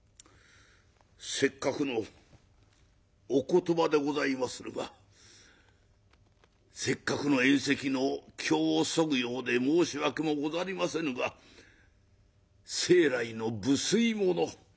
「せっかくのお言葉でございまするがせっかくの宴席の興をそぐようで申し訳もござりませぬが生来の不粋者。